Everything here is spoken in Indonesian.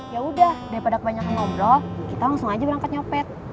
yaudah daripada kebanyakan ngobrol kita langsung aja berangkat nyopet